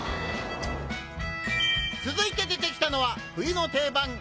続いて出てきたのは冬の定番